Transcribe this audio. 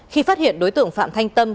khi phát hiện đối tượng phạm thanh tâm